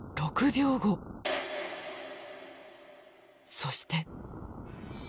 そして。